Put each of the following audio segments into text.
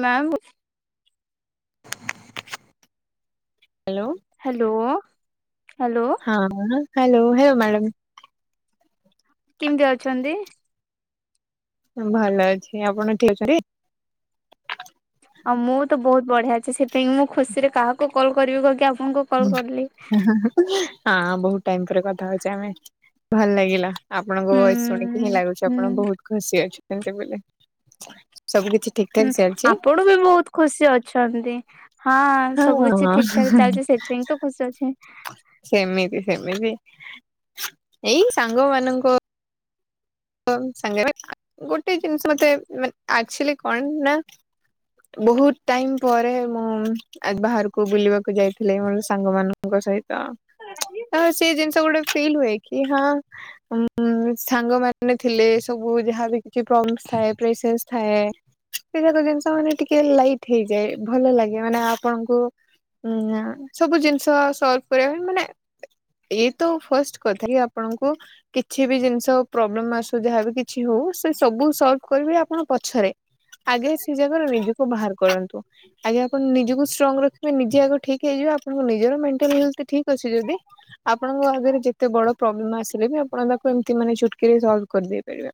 Ma'am hello. Hello hello. ହଁ hello ହେଓ madam. କେମତି ଅଛନ୍ତି? ଭଲ ଅଛି, ଆପଣ ଠିକ୍ ଅଛନ୍ତି? ଆଉ ମୁଁ ତ ବୋହୁତ୍ ବଢିଆ ଅଛି ସେଥିପାଇଁ ମୁଁ ଖୁସିରେ କାହାକୁ କଲ୍ କରିବି କରିକି ଆପଣଙ୍କୁ କଲ୍ କରିଲି। ହଁ ବହୁତ ଟାଇମ ପରେ କଥା ହଉଛେ ଆମେ ଭଲ୍ ଲାଗିଲା। ଆପଣଙ୍କ ହୁଁ ଭଏସ୍ ଶୁଣିକି ହିଁ ଲାଗୁଛି ହୁଁ ଆପଣ ବୋହୁତ୍ ଖୁସି ଅଛନ୍ତି ବୋଲେ ସବୁ କିଛି ଠିକ ଠାକ ହୁଁ ଚାଲିଛି ଆପଣ ବି ବୋହୁତ୍ ଖୁସି ଅଛନ୍ତି ହଁ ସବୁ କିଛି ହଁ ଠିକ ଠାକ ଚାଲିଛି ସେ ତିନ୍ ତ ଖୁସି ଅଛି। ସେମିତି ସେମିତି ଏଇ ସାଙ୍ଗ ମାନଙ୍କ ଙ୍ଗ ସାଙ୍ଗ ବା ଗୋଟେ ଜିନିଷ ମତେେ ଆକ୍ଚୁଲି କଣ ନା ବୋହୁତ୍ ଟାଇମ୍ ପରେ ମୁଁ ବାହାରକୁ ବୁଲିବାକୁ ଯାଇଥିଲି ମୋର ସାଙ୍ଗ ମାନ ତାଙ୍କ ସହିତ ତ ସେ ଜିନ୍ଷ ଗୋଟେ ଫିଲ୍ ହୁଏ କି ହଁ ସାଙ୍ଗ ମାନେ ଥିଲେ ସବୁ ଯାହାବି କିଛି ପ୍ରମିସ୍ ଥାଏ ପ୍ରେସେସ୍ ଥାଏ ସେ ଯାକ ଜିନିଷ ମାନେ ଟିକେ ଲାଇଟ୍ ହେଇଯାଏ ଭଲ ଲାଗେ ମାନେ ଆପଣଙ୍କୁ ହୁଁ ସବୁ ଜିନ୍ଷ ସଲଭ କରିବା ପାଇଁ ମାନେ ଏଇତ ଫାଷ୍ଟ୍ କଥା କି ଆପଣଙ୍କୁ କିଛି ବି ଜିନ୍--ଷ ପ୍ରୋବ୍ଲେମ ଆସୁ ଯାହାବ କିଛି ହୋଉ ସେ ସବୁ ସଲ୍ଭ କରିବେ ଆପଣ ପଛରେ ଆଗେ ସେ ଜାଗାରୁ ନିଜୁକୁ ବାହାର୍ କରନ୍ତୁ। ଆଜ୍ଞା ଆପଣ ନିଜକୁ ଷ୍ଟ୍ରଙ୍ଗ ରଖିବେ ନିଜେ ଆଗ ଠିକ ହେଇଯିବେ ଆପଣଙ୍କ ନିଜର ମେଣ୍ଟାଲ ହେଳଥ୍ ଠିକ ଅଛି ଯଦି ଆପଣଙ୍କ ଆଗରେ ଯେତେ ବଡ ପ୍ରୋବ୍ଲେମ୍ ଆସିଲେ ବି ଆପଣ ତାକୁ ଏମ୍ତି ମାନେ ଚୁଟ୍ କିରେ ସଲ୍ଭ କରିଦେଇ ପାରିବେ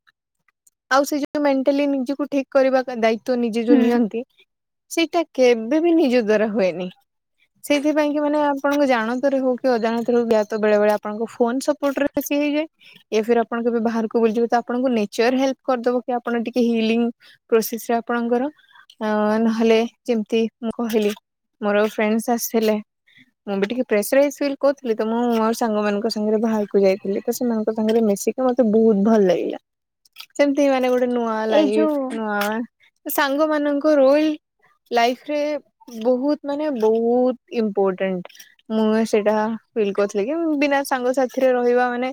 ଆଉ ସେ ଯଉ ମେଣ୍ଟାଲି ନିଜକୁ ଠିକ କରିବା ଦାୟିତ୍ବ ତ ନିଜେ ଯୋଉ ହୁଁ ନିଅନ୍ତି ସେଇଟା କେବେ ବି ନିଜ ଦ୍ଵାରା ହୁଏନି ସେଇଥିପାଇଁ କି ମାନେ ଆପଣଙ୍କ ଜାଣତରେ ହଉ କି ଅଜାଣତରେ ହଉ ଜାତ ବେଳେ ବେଳେ ଆପ୍ ଆପଣଙ୍କ ଫୋନ ସପୋର୍ଟରେ ବେସି ହେଇଯାଏ ୟା ଫିର୍ ଆ ଆପଣ କେବେ ବାହାରକୁ ବୁଲଯିବ ତ ଆପଣଙ୍କୁ ନେଚର ହେଲ୍ପ କରିଦବ କି ଆପଣ ଟିକେ ହିଲିଂ ପ୍ରୋସେସ୍ ରେ ଆପଣଙ୍କର। ଅ ନହେଲେ ଯେମିତି ମୁଁ କହିଲି ମୋର ଫ୍ରେଣ୍ଡ୍ସ୍ ଆସିଥିଲେ। ମୁଁ ବି ଟିକେ ପ୍ରେସରାଇସ୍ ଫିଲ୍ କରୁଥିଲି ତ ମୁଁ ମୋର ସାଙ୍ଗମାନାନଙ୍କ ସାଙ୍ଗରେ ବାହାରକୁ ଯାଇଥିଲି ତ ସେମାନଙ୍କ ସାଙ୍ଗରେ ମି ତ ମତେ ବହୁତ ଭଲ ଲାଗିଲା ସେମ୍ତି ମାନେ ଗୋଟେ ନୂଆ ଏଇ ଲାଇଫ୍ ଯୋଉ ନୂଆ ସାଙ୍ଗ ମାନଙ୍କୁ ରୋଇଲ୍ ଲାଇଫ୍ରେ ବୋହୁତ୍ ମାନେ ବୋହୁତ୍ ଇମ୍ପୋର୍ଟାଣ୍ଟ୍। ମୁଁ ସେଇଟା ଫିଲ୍ କରଥିଲି କି ବିନା ସାଙ୍ଗ ସାଥିରେ ରହିବା ମାନେ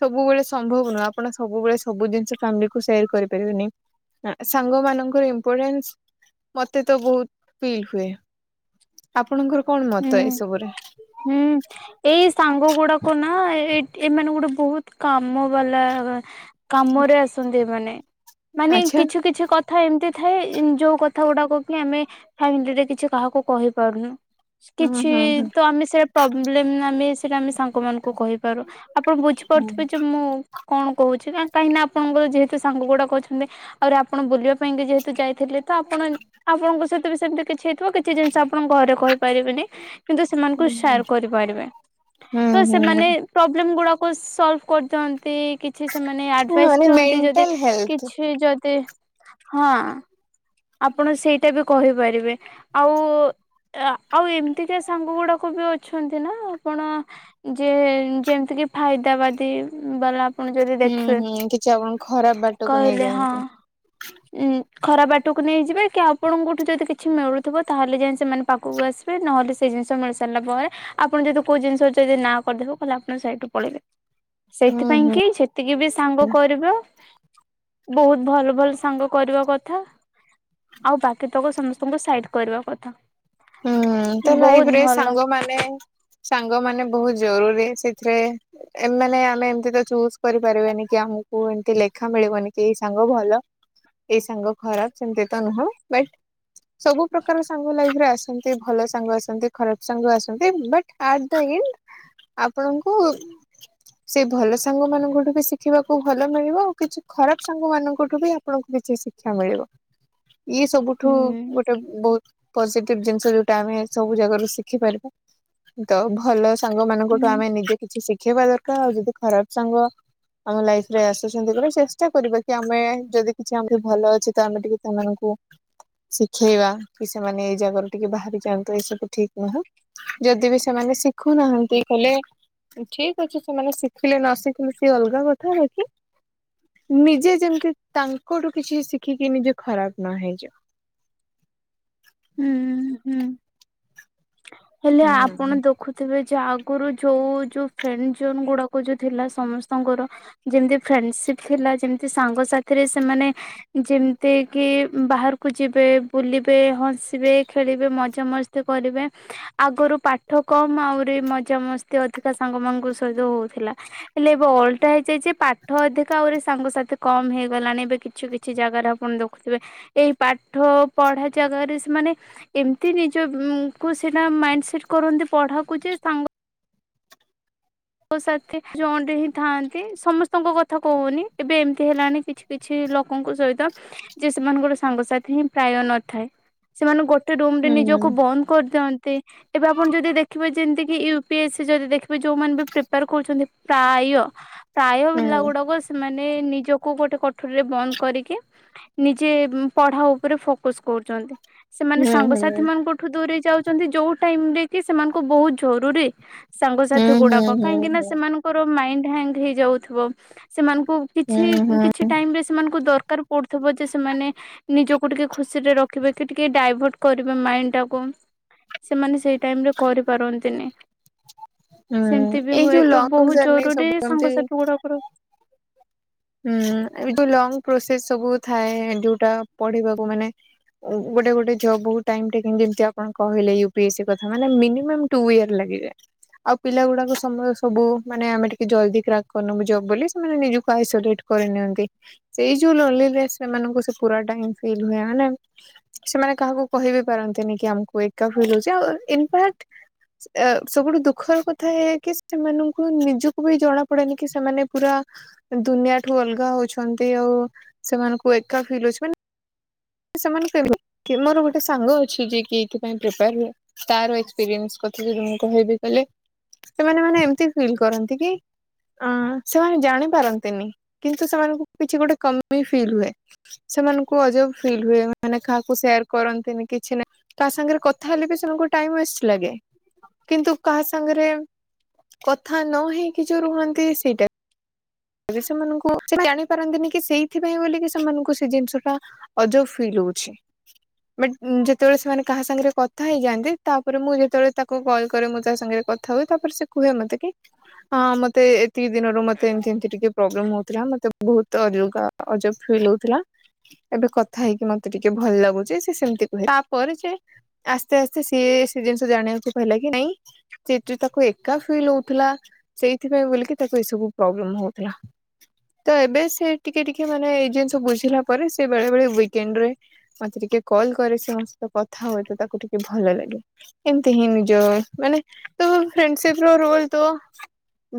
ସବୁବେଳେ ସ୍ ସମ୍ଭବ ନୁହଁ ଆପଣ ସବୁବେଳେ ସବୁ ଜିନିଷ ଫ୍ୟାମିଲି କୁ ସେୟାର କରିପାରିବେନି। ସାଙ୍ଗ ମାନଙ୍କର ଇମ୍ପୋର୍ଟାନ୍ସ ମତେ ତ ବହୁତ ଫିଲ୍ ହୁଏ। ଆପଣଙ୍କର କଣ ମତ ହୁଁ ଏସବୁରେ। ହୁଁ। ଏଇ ସାଙ୍ଗ ଗୁଡାକ ନା ଏ ଏମାନେ ଗୋଟେ ବହୁତ କାମ ବାଲା। କାମରେ ଆସନ୍ତି ମାନେ ମାନେ ଆଚ୍ଛା କିଛୁ କି କିଛି କଥା ଏମ୍ତି ଥାଏ ଯୋଉ କଥା ଗୁଡାକ କି ଆମେ ଫ୍ୟାମିଲିରେ କିଛି କାହାକୁ କହି ପାରୁନୁ ହୁଁ କିଛି ହୁଁ ତ ଆମେ ସେଇଟା ପ୍ରୋବ୍ଲେମ୍ ଆମେ ସେଇଟା ଆମେ ସାଙ୍ଗମାନଙ୍କୁ କହିପାରୁ। ଆପଣ ହୁଁ। ବୁଝିପାରୁଥିବେ ଯେ ମୁଁ କଣ କହୁଛି କାହିଁକି ନା ଆପଣଙ୍କର ଯେହେତୁ ସାଙ୍ଗ ଗୁଡାକ ଅଛନ୍ତି। ଆହୁରି ଆପଣ ବୁଲିବା ପାଇଁ ଯେହେତୁ ଯାଇଥିଲେ ତ ଆପଣ ଆପଣଙ୍କ ସହିତ ବି ସେମିତି କିଛି ହେଇଥିବ କିଛି ଜିନିଷ ଆପଣଙ୍କ ଘରେ କହିପାରିବେନି କିନ୍ତୁ ହୁଁ ସେୟାର୍ କରିପାରିବେ ତ ହୁଁ ସେମାନେ ପ୍ରୋବ୍ଲେମ ଗୁଡାକୁ ସଲ୍ଭ କରିଦିଅନ୍ତି କି ଛି ସେମାନେ ଆଡ୍ଭାଇସ୍ ମାନେ ଦିଅନ୍ତି ଯଦି ମେଣ୍ଟାଲ ହେଲ୍ଥ। କିଛି ଯଦି ହଁ। ଆପଣ ସେଇଟା ବି କହିପାରିବେ ଆଉ। ଆଉ ଏମ୍ତିକା ସାଙ୍ଗ ଗୁଡାକ ବି ଅଛନ୍ତି ନା ଆପଣ ଯେ ଯେମ୍ତି କି ଫାଇଦା ବାଦୀ ବାଲା। ପୁଣି ଯଦି ହୁଁ ଦେଖିବେ ହୁଁ କିଛି ଆପଣଙ୍କୁ ଖରାପ ବାଟକୁ କହିଲେ ହଁ ନେଇଯାଆନ୍ତି। ଉଁ ଖରାପ୍ ଟକୁ ନେଇଯିବେ କି ଆପଣଙ୍କଠୁ ଯଦି କିଛି ମିଳୁଥିବ ତାହେଲେ ଯାଇ ସେମାନେ ପାଖକୁ ଆସିବେ ନହେଲେ ସେ ସେଇ ଜିନିଷ ମିଳି ସାରିଲା ପରେ ଆପଣ ଯଦି କୋଉ ଜିନିଷ ଯଦି ନାଁ କରିଦେବେ ତାହାଲେ ଆପଣ ସେଇଠୁ ପଳେଇବେ। ହୁଁ ସେଇଥିପାଇଁ ହୁଁ କି ଛି ଯେତିକି ବି ସାଙ୍ଗ କରିବ ବହୁତ ଭଲ ଭଲ ସାଙ୍ଗ କରିବା କଥା। ଆଉ ବାକି ତକ ସମସ୍ତଙ୍କୁ ସାଇଟ୍ କରିବା କଥା। ହୁଁ ତ ଲାଇଫ୍ ବହୁତ ରେ ଭଲ ସାଙ୍ଗମା ମାନେ ସାଙ୍ଗ ମାନେ ବୋହୁତ୍ ଜରୁରୀ ସେଥିରେ। ଏମାନେ ଆମେ ଏମିତି ତ ଚୁଜ୍ କରିପାରିବାନି କି ଆମକୁ ଏମତି ଲେଖା ମିଳିବନି କି ଏଇ ସାଙ୍ଗ ଭଲ। ଏଇ ସାଙ୍ଗ ଖରାପ୍ ସେମ୍ତି ତ ନୁହଁ ବଟ୍ ସବୁ ପ୍ରକାର ସାଙ୍ଗ ଲାଇଫରେ ଆସ୍ ନ୍ତି ଭଲ ସାଙ୍ଗ ଆସନ୍ତି ଖରାପ ସାଙ୍ଗ ଆ ନ୍ତି ବାଟ୍ଆଟ୍ ଦ ଇଣ୍ଡ୍। ଆପଣଙ୍କୁ। ସେଇ ଭଲ ସାଙ୍ଗ ମାନଙ୍କଠୁ ବି ଶିଖିବାକୁ ଭଲ ମିଳିବ ଆଉ କିଛି ଖରାପ ସାଙ୍ଗ ମାନଙ୍କଠୁ ବି ଆ ପଣଙ୍କୁ କିଛି ଶିକ୍ଷା ମିଳିବ ଇଏ ସବୁଠୁ ହୁଁ ଗୋଟେ ବହୁତ୍ ପଜେ ଟିପ୍ ଜିନିଷ ଯୋଉଟା ଆମେ ସବୁ ଜାଗାରୁ ଶିଖିପାରିବା ତ ଭଲ ସାଙ୍ଗ ମାନଙ୍କଠୁ ହୁଁ ଆମେ ନିଜେ କିଛି ଶିଖେଇବା ଦର୍କାର୍ ଆଉ ଯଦି ଖରାପ୍ ସାଙ୍ଗ ଆମ ଲାଇଫ୍ ରେ ଆସୁଛନ୍ତି ବୋଲି ଚେଷ୍ଟା କରିବା କି ଆମେ ଯଦି କିଛି ଆମକୁ ଭଲ ଅଛି ତ ଆମେ ଟିକେ ସେମାନଙ୍କୁ ଶିଖେଇବା କି ସେମାନେ। ଜାଗାରୁ ଟିକେ ବାହାରି ଯାଆନ୍ତୁ ଏସବୁ ଠିକ ନୁହଁ ଯଦି ବି ସେମାନେ ଶିଖୁନାହାନ୍ତି ତାହେଲେ ଠିକ ଅଛି ସେମାନେ ଶିଖିଲେ ନ ଶିଖିଲେ ସିଏ ଅଲଗା କଥା ହେ କି। ନିଜେ ଯେମିତି ତାଙ୍କଠୁ କିଛି ଶିଖିକି ନିଜେ ଖରାପ ନ ହେଇଯାଉ। ହୁଁ ହୁଁ ହେଲେ ଆପଣ ହୁଁ। ଦୋ ଖୁଥିବେ ଯେ ଆଗରୁ ଯୋଉ ଯୋଉ ଫ୍ରେଣ୍ଡ ଜୋନ୍ ଗୁଡାକ ଯୋଉ ଥିଲା ସମସ୍ତଙ୍କର ଯେମତି ଫ୍ରେଣ୍ଡସିପ ଥିଲା ଯେମିତି ସାଙ୍ଗ ସାଥିରେ ସେମାନେ ଯେମିତି କି ବାହାରକୁ ଯିବେ ବୁଲିବେ ହସିବେ ଖେଳିବେ ମଜା ମସ୍ କରିବେ। ଆଗରୁ ପାଠ କମ୍ ଆହୁରି ମଜାମସ୍ତି ଅଧିକା ସାଙ୍ଗ ମାନଙ୍କ ସହିତ ହଉଥିଲା। ହେଲେ ଏବେ ଅଲଟା ହେଇଯାଇଛି ପାଠ ଅଧିକା ଆହୁରି ସାଙ୍ଗସାଥି କମ ହେଇଗଲାଣି ଏବେ କିଛି କିଛି ଜାଗାରେ ଆପଣ ଦେଖୁଥିବେ ଏଇ ପାଠ ପଢା ଜାଗାରେ ମାନେ ଏମତି ନିଜ ଙ୍କୁ ସେଟା ମାଇଣ୍ଡ ସେଟ କରନ୍ତି ପଢାକୁ ଯେ ସାଙ୍ଗ ମୋ ସାଥି ଜଏଣ୍ଟ ହିଁ ଥାଆନ୍ତି ସମସ୍ତଙ୍କ କଥା କହୁନି ଏବେ ଏମିତି ହେଲାଣି କିଛି କିଛି ଲୋକଙ୍କ ସହିତ ଯେ ସେମାନଙ୍କୋଟ ସାଙ୍ଗସାଥି ହିଁ ପ୍ରାୟ ନଥାଏ। ସେମାନେ ଗୋ ଟେ ରୁମ ରେ ହୁଁ ନିଜକୁ ବନ୍ଦ କରିଦିଅନ୍ତି। ଏବେ ଆପଣ ଯଦି ଦେଖିବେ ଯେମିତି କିି ୟୁ ପି ଏସ୍ ସି ଯଦି ଦେଖିବେ ଯୋଉମାନେ ବି ପ୍ରିପାର କରୁଛନ୍ତି ପ୍ରାୟ ପ୍ରାୟ ପିଲା ହୁଁ ଗୁଡାକ ସେମାନେ ନେ ନିଜକୁ ଗୋଟେ କଠୋରୀରେ ବନ୍ଦ କରିକି ନିଜେ ପଢା ଉପରେ ଫୋକସ କରୁଛନ୍ତି। ସେମାନେ ହୁଁ ହୁଁ ହୁଁ ସାଙ୍ଗସାଥି ମାନଙ୍କଠୁ ଦୂରେଇ ଯାଉଛନ୍ତି ଯୋଉ ଟାଇମ ରେ କି ସେମାନଙ୍କୁ ବହୁତ ଜୋ ଜରୁରୀ ସାଙ୍ଗସାଥି ହୁଁ ହୁଁ ଗୁଡାକ ହୁଁ ମାନଙ୍କର ମାଇଣ୍ଡ ହାଙ୍କ ହେଇଯାଉଥିବା ସେମାନଙ୍କୁ ହୁଁ କିଛି ହୁଁ କିଛି ଟାଇମ୍ରେ ସେମାନଙ୍କୁ ଦରକାର ପଡ଼ୁଥିବ ଯେ ସେମାନେ ନିଜକୁ ଟିକେ ଖୁସିରେ ରଖିବେ କି ଟିକେ ଡାଇଭର୍ଟ କରିବେ ମାଇଣ୍ଡ ଟାକୁ। ସେମାନେ ସେଇ ଟାଇମରେ କରିପାରନ୍ତିନି। ହୁଁ ଏମତିବି ଏଇ ହୁଏ ଯୋଉ ତ ଲଙ୍ଗ ବହୁତ ଜର୍ଣ୍ଣି ଜରୁରୀ ସବୁ ଏମତି ସାଙ୍ଗସାଥି ଗୁଡାକର ହୁଁ ଏ ଯୁ ଲଙ୍ଗ ପ୍ରସେସ ସବୁ ଥାଏ ଯୋଉଟା ପଢିବାକୁ ମାନେ ଗୋଟେ ଗୋଟେ ଜବ୍ ବହୁତ ଟାଇମ୍ ଟେକିଂ ଯେମିତି ଆପଣ କହିଲେ ୟୁପିଏ ସି କଥା ମାନେ ମିନିମମ୍ ଟୁ ଇୟର ଲାଗିବେ। ଆଉ ପିଲା ଗୁଡାକ ସମୟ ସବୁ ମାନେ ଆମେ ଟିକେ ଜଲଦି କ୍ରାକ୍ କରିନବୁ ଜବ ବୋଲି ସେମାନେ ନିଜକୁ ହାୟ ତ ଡିଟ କରିନିଅନ୍ତି ସେ ଯୋଉ ଲଲି ରେସ୍ ସେମାନଙ୍କୁ ସେଇ ପୁରା ଟା ହିଁ ଫିଲ ହୁଏ ମାନେ ସେମାନେ କାହାକୁ କହିହିବି ପାରନ୍ତିନି କି ଆମକୁ ଏକା ଫିଲ ହଉଛି ଆଉ ଇମ୍ଫାକ୍ଟ ଏ ସବୁଠୁ ଦୁଃଖର କଥା ଏଇ କି ସେମାନଙ୍କୁ ନିଜକୁ ବି ଜଣା ପଡେନି କି ସେମାନେ ପୁରା ଦୁନିଆଠୁ ଅଲଗା ହଉଛନ୍ତି ଆଉ ସେମାନଙ୍କୁ ଏକା ଫିଲ୍ ହଉଛି ସେମାନେ ମୋର ଗୋଟେ ସାଙ୍ଗ ଅଛି ଯେ କି ଏଥିପାଇଁ ପ୍ରିପାର ହୁଏ। ତାର ଏକ୍ସପିରିଏନ୍ସ କଥା ଯଦି ମୁଁ କହିବି କଲେ ସେମାନେ ମାନେ ଏମିତି ଫିଲ୍ କରନ୍ତି କି? ଅ ସେମାନେ ଜାଣି ପାରନ୍ତିନି କିନ୍ତୁ ସେମାନଙ୍କୁ କିଛି ଗୋଟେ କମି ଫିଲ୍ ହୁଏ। ସେମାନଙ୍କୁ ଅଜବ ଫିଲ୍ ହୁଏ ମାନେ କାହାକୁ ସେୟାର କରନ୍ତିନି କିଛି ନାହିଁ। କାହା ସାଙ୍ଗରେ କଥା ହେଲେ ବି ସେମାନଙ୍କୁ ଟାଇ ୱେଷ୍ଟ ଲାଗେ କିନ୍ତୁ କାହା ସାଙ୍ଗରେ କଥା ନ ହେଇକି ଯୋଉ ରୁହନ୍ତି ସେଇଟା। ସେମାନଙ୍କୁ ସେ ଜାଣିପାରନ୍ତିନି କି ସେଇଥିପାଇଁ ବୋଲି ସେମାନଙ୍କୁ ସେ ଜିନିଷ ଟା ଅଜବ ଫିଲ୍ ହଉଛି। ବଟ ଯେତେବେଳେ ସେମାନେ କାହା ସାଙ୍ଗରେ କଥା ହେଇଯାଆନ୍ତି ତାପରେ ମୁଁ ଯେତେବେଳେ ତାକୁ କଲ୍ କରେ ମୁଁ ତା ସାଙ୍ଗରେ କ ଥା ହୁଏ ତାପରେ ସେ କୁହେ ମତେ କି ହଁ ମତେ ଏତିକି ଦିନରୁ ମତେ ଏମିତି ଟିକେ ପ୍ରୋବ୍ଲେମ ହଉଥିଲା ମତେ ବହୁତ ଅଗ ଅଜବ ଫିଲ ହଉଥିଲା ଏବେ କଥା ହେଇକି ମତେ ଟିକେ ଭଲ ଲାଗୁଛି ସେ ସେମତି କହେ ତାପରେ ଯେ ଆସ୍ତେ ଆସ୍ତେ ସିଏ ସେ ଜିନିଷ ଜାଣିବାକୁ ପହିଲା କି ନାଇଁ ସେ ଯେ ତାକୁ ଏକା ଫିଲ୍ ହଉଥିଲା ସେଇଥିପାଇଁ ବୋଲିକି ତାକୁ ଏସବୁ ପ୍ରୋବ୍ଲେମ ହଉ ଥିଲା। ତ ଏବେ ସେ ଟିକେ ଟିକେ ମାନେ ଏଇ ଜିନିଷ ବୁଝିଲା ପରେ ସେ ବେଳେ ବେଳେ ୱିକେଣ୍ଡ ରେ ମତେ ଟିକେ କଲ୍ କରେ ସମସ୍ତ କଥା ହୁଏତ ତାକୁ ଟିକେ ଭଲ ଲାଗି ଏମତି ହିଁ ନିଜଏ ମାନେ ତ ଫ୍ରେଣ୍ଡସିପ ର ରୋଲ ତୋ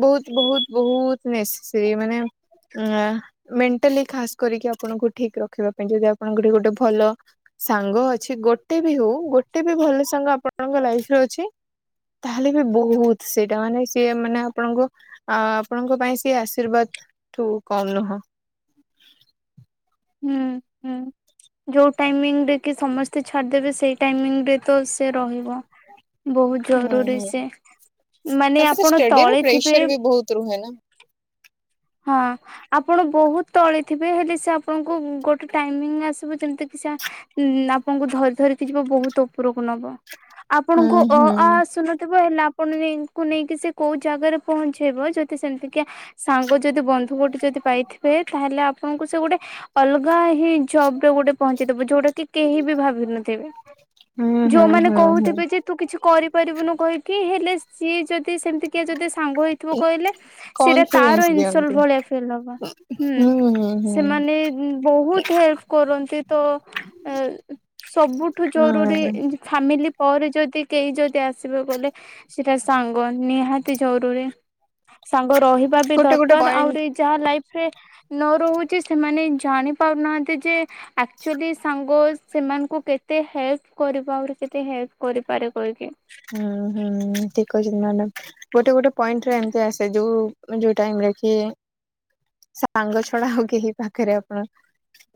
ବହୁତ ବହୁତ ବହୁତ ନେସ୍ସେରି ମାନେ ୟା ମେଣ୍ଟାଲି ଖାସ୍ କରିକି ଆପଣଙ୍କୁ ଠିକ୍ ରଖିବା ପାଇଁ ଯଦି ଆପଣଙ୍କଠି ଗୋଟେ ଭଲ ସାଙ୍ଗ ଅଛି ଗୋଟେ ବି ହଉ ଗୋଟେ ବି ଭଲ ସାଙ୍ଗ ଆପଣଙ୍କ ଲାଇଫରେ ଅଛି ତା ହାଲେ ବି ବହୁତ ସେଇଟା ମାନେ ସିଏ ମାନେ ଆପଣଙ୍କ ଆପଣଙ୍କ ପାଇଁ ସିଏ ଆସ ତିରର୍ବାତଠୁ କଲ୍ ନୁହଁ। ହୁଁ ହୁଁ ଯୋଉ ଟାଇମିଂରେ କି ସମସ୍ତେ ଛାଡ଼ିଦେବେ ସେଇ ଟାଇମିଙ୍ଗରେ ତ ସେ ରହିବ। ବହୁତ ହୁଁ ଜରୁରୀ ହୁଁ ସେ ମାନେ ତାପରେ ଆପଣ ଷ୍ଟଡିର ତଳେ ଥିବେ ପ୍ରେସର ବି ବହୁତ ରୁହେ ନା। ହଁ ଆପଣ ବହୁତ ତଳେ ଥିବେ ହେଲେ ସେ ଆପଣଙ୍କୁ ଗୋଟେ ଟାଇମିଂ ଆସିବ ଯେମିତି କିସେ ଉ ଆପଣଙ୍କୁ ଧରି ଧରିକି ଯିବା ବହୁତ ଉପରକୁ ନବ। ହୁଁ ଆପଣଙ୍କୁ ଅ ହୁଁ ଆ ଆସୁନଥିବ ହେଲା ଆ ପନ ନେଇଙ୍କୁ ନେଇକି ସେ କୋଉ ଜାଗାରେ ପହଞ୍ଚେଇବ ଯଦି ସେମିତି କିଏ ସାଙ୍ଗ ଯଦି ବନ୍ଧୁ ଗୋଟେ ଯଦି ପାଇଥିବେ ତାହେଲେ ଆପଣଙ୍କୁ ସେ ଗୋଟେ ଅଲଗା ହିଁ ଜବ ରେ ଗୋଟେ ପହଞ୍ଚିଦବ ଯୋଉଟା କି କେହି ବି ଭାବି ନଥିବେ ହୁଁ ହୁଁ ଯୋଉମାନୋନ ହୁଁ ହୁଁ। କହୁଥିବେ ଯେ ତୁ କିଛି କରିପାରିବୁନୁ କହିକି ହେଲେ ସିଏ ଯଦି ସେମିତି କିଏ ଯଦି ସାଙ୍ଗ ହେଇ ଥିବା କହିଲେ ସେଇଟା ତାର କନଫିଡେନ୍ସ ଇନ ସଲ୍ ଦିଅନ୍ତି। ଭଳିଆ ଫିଲ ହବ। ହୁଁ ସେମାନେ ବହୁତ ହେଲ୍ଫ କରନ୍ତି ତ ଏ ସବୁଠୁ ଜରୁରୀ ହୁଁ ଏଇଯୋ ଫାମିଲି ପରେ ଯଦି କେହି ଯଦି ଆସିବେ ଗଲେ ସେଟା ସାଙ୍ଗ ନିହାତି ଜରୁରୀ। ସାଙ୍ଗ ରହିବା ବି ଗୋଟେ ଗୋଟେ ଦରକାର ପଏଣ୍ଟ ଆହୁରି ଯାହା ଲାଇଫ ରେ ନ ରହୁଚି ସେମାନେ ଜାଣିପାରୁନାହାଁନ୍ତି ଯେ ଆକ୍ଚୁଲି ସାଙ୍ଗ ସେମାନଙ୍କୁ କେତେ ହେଲ୍ପ କରିପା ଆହୁରି କେତେ ହେଲ୍ପ କରିପାରେ କହିକି। ହୁଁ ହୁଁ ହୁଁ ହୁଁ ଠିକ କହିଚନ୍ତି ମାଡ଼ାମ ଗୋଟେ ଗୋଟେ ପଏଣ୍ଟରେ ଏମତି ଆସେ ଯୋଉ ଯୋଉ ଟାଇମର କି ସାଙ୍ଗ ଛଡା ଆଉ କେହି ପାଖରେ ଆପଣ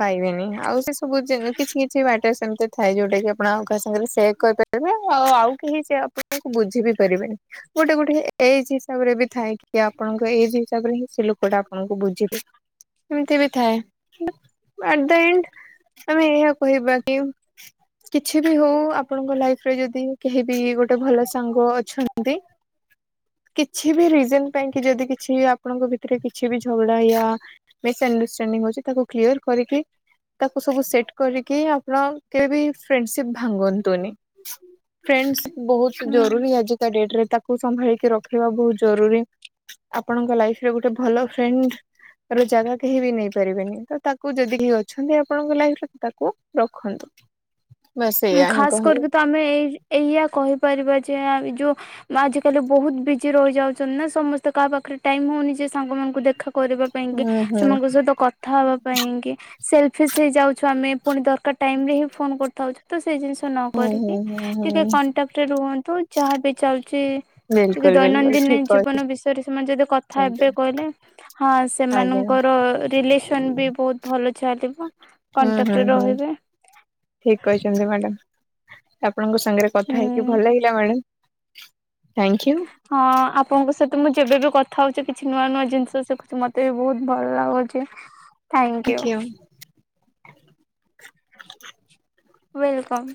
ପାଇବେନି ଆଉ ସେ ସବୁ ଯିନି କିଛି କିଛି ବାଟ ସେମତି ଥାଏ ଯୋଉଟା କି ଆପଣ ଆଉ କାହା ସାଙ୍ଗରେ ସେଆ କରିପା ଏବେ ଆ ଆଉ କେହି ସେ ଆପଣକୁ ବୁଝି ବି ପାରିବେନି। ଗୋଟେ ଗୋଟେ ଏଜ ହିସାବରେ ବି ଥାଏ କି ଆପଣଙ୍କ ଏଜ ହିସାବରେ ହଁ ସେ ଲୋକଟା ଆପଣଙ୍କୁ ବୁଝିବେ। ଏମିତିରେ ଥାଏ ଆର୍ଦେଣ୍ଡ ଆମେ ଏହା କହିବା କି କିଛି ବି ହଉ ଆପଣଙ୍କ ଲାଇଫ ରେ ଯଦି କେହି ବି ଗୋଟେ ଭଲ ସାଙ୍ଗ ଅଛନ୍ତି କିଛି ବି ରିଜନ ପାଇଁ କି ଯଦି କିଛିବି ଆପଣଙ୍କ ଭିତରେ କିଛି ବି ଝଗଡା ୟା ମିସ ଏଣ୍ଡଷ୍ଟାଣ୍ଡିଙ୍ଗ ହୋଉଚି ତାକୁ କ୍ଲିୟର କରିକି ତାକୁ ସବୁ ସେଟ୍ କରିକି ଆପ୍ଲାଙ୍ଗ କେବି ଫ୍ରେଣ୍ଡସିପ୍ ଭାଙ୍ଗନ୍ତୁନି। ଫ୍ରେଣ୍ଡସ୍ ବହୁତ ହୁଁ। ଜରୁରୀ ଆଜିକା ଡେଟରେ ତାକୁ ସମ୍ଭାଳିକି ରଖିବା ବହୁତ ଜରୁରୀ। ଆପଣଙ୍କ ଲାଇଫରେ ଗୋଟେ ଭଲ ଫ୍ରେଣ୍ଡ ର ଜାଗା କେହି ବି ନେଇ ପାରିବେନି ତ ତାକୁ ଯଦି କେହି ଅଛନ୍ତି ଆପଣଙ୍କ ଲାଇଫରେ ତ ତାକୁ ରଖନ୍ ମୁଁ ଖାସ କରିକି ତ ଆମେ ଏଇ ଏଇୟଆ କହିପାରିବା ଯେ ଆଉ ଏ ଯୋ ଆଜ କାଲି ବହୁତ ବି ଜି ରହିଯାଉଚନ୍ ନା ସମସ୍ତେ କାହା ପାଖରେ ଟାଇମ୍ ହେଉନି ଯେ ସାଙ୍ଗମାନଙ୍କୁ ଦେଖା କରିବା ହୁଁ ପାଇଁକ ହୁଁ ସେମାନଙ୍କ ସହିତ କଥାବା ପାଇଁ କି ସେଲଫିସ ହେଇ ଯାଉଛନ୍ତି ପୁଣି ଦରକାର ଟାଇମ ରେ ହିଁ ଫୋନ କରିଥାଉଛ ତ ସେ ଜିନିଷ ନ ହୁଁ ହୁଁ କରରିକି ହୁଁ ହୁଁ। ଟିକେ କଣ୍ଟାକ୍ଟରେ ରୁହନ୍ତୁ ଯାହା ବିି ଚାଲୁଚି ଟିକେ ବିଲକୁଲ ବିଲକୁଲ ଦୈନନ୍ଦିନ ଠିକ ଜୀବନ ବିଷୟରେ ସେମାନେ ଯଦି କଥା କହିଛନ୍ତି ଏବେ କହିଲେ ହଁ ଆଜ୍ଞା ସେମାନଙ୍କର ରିଲେସନ୍ ବି ବୋହୁତ୍ ଭଲ ଚାଲିବ। କଣ୍ଟାକ୍ଟରେ ରହିବେ। ଠିକ୍ କହିଛନ୍ତି ମ୍ୟାଡମ୍। ଆପଣ ଙ୍କ ସାଙ୍ଗରେ କଥା ହୁଁ। ହେଇକି ଭଲ ହେଇିଲା ମ୍ୟାଡମ୍। ଥ୍ୟାଙ୍କୟୁ। ହଁ ଆପଣଙ୍କ ସହିତ ମୁଁ ଯେବେ ବି କଥା ହଉଛି କିଛି ନୂଆ ନୂଆ ଜିନ୍ସ ଶିଖୁଛି। ମତେ ବି ବୋହୁତ୍ ଭଲ ଲାଗୁଚି। [inaudible] ଥ୍ୟାଙ୍କୟୁ। ୱେଲ୍ କମ୍।